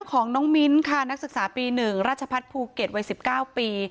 ของน้องมิ้นค่ะนักศึกษาปี๑ราชพัฒน์ภูเก็ตวัย๑๙ปี